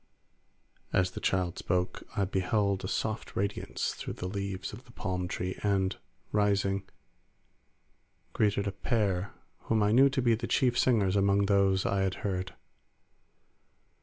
As the child spoke, I beheld a soft radiance through the leaves of the palm tree, and rising, greeted a pair whom I knew to be the chief singers among those I had heard.